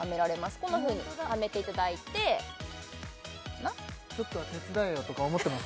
こんなふうにはめていただいてちょっとは手伝えよとか思ってます？